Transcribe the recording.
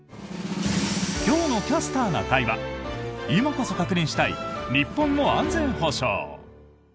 今日の「キャスターな会」は今こそ確認したい日本の安全保障。